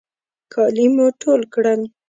کالي مو ټول کړل.